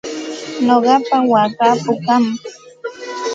Nuqapa waakaa pukam.